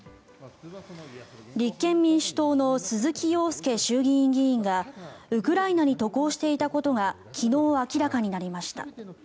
立憲民主党の鈴木庸介衆議院議員がウクライナに渡航していたことが昨日、明らかになりました。